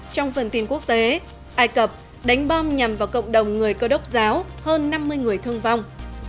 trong phần tin quốc tế ai cập đánh bom nhằm vào cộng đồng người cơ đốc giáo hơn năm mươi người thương vong